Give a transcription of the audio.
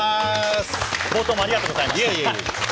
冒頭もありがとうございました。